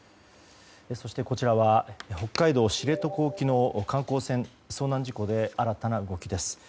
そして、こちらは北海道知床沖の観光船遭難事故で新たな動きです。